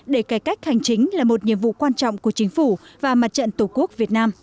để cải cách hành chính là một nhiệm vụ quan trọng của chính phủ và mặt trận tổ quốc việt nam